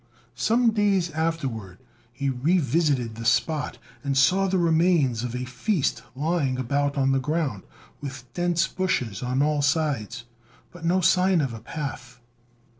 Some days afterwards he revisited the spot, and saw the remains of a feast lying about on the ground, with dense bushes on all sides, but no sign of a path.